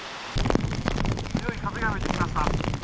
強い風が吹いてきました。